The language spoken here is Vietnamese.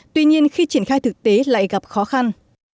tuy nhiên khi triển khai thực tế lại gặp khó khăn